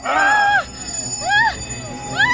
tidak ada yang akan mendengar kamu